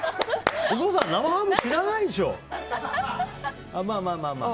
大久保さん生ハム知らないでしょ。